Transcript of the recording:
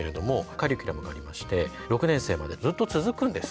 カリキュラムがありまして６年生までずっと続くんです。